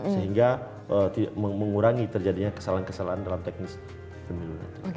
sehingga mengurangi terjadinya kesalahan kesalahan dalam teknis pemilihan